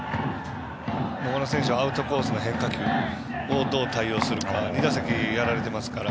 アウトコースの変化球をどう対応するか２打席やられてますから。